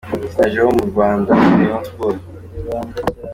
Dominic Nic Ashimwe, afite imyamyabumenyi y’amashuri yisumbuye.